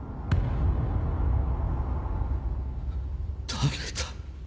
誰だ。